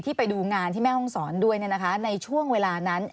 ไปดูงานที่แม่ห้องศรด้วยในช่วงเวลานั้น